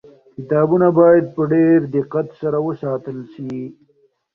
کتابونه باید په ډېر دقت سره وساتل سي.